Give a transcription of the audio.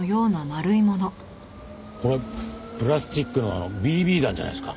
これプラスチックのＢＢ弾じゃないですか？